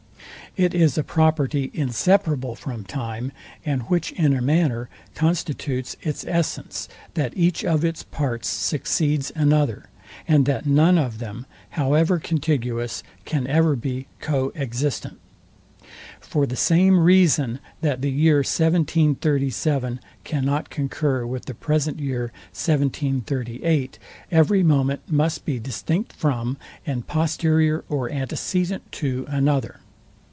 It is a property inseparable from time, and which in a manner constitutes its essence, that each of its parts succeeds another, and that none of them, however contiguous, can ever be co existent. For the same reason, that the year 1737 cannot concur with the present year 1738 every moment must be distinct from, and posterior or antecedent to another.